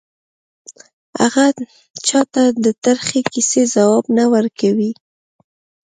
هغه چا ته د ترخې کیسې ځواب نه ورکوي